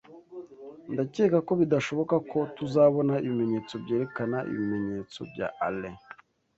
Ndacyeka ko bidashoboka ko tuzabona ibimenyetso byerekana ibimenyetso bya Alain.